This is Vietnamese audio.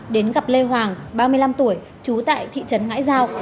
đến gặp lê hoàng ba mươi năm tuổi trú tại thị trấn ngãi giao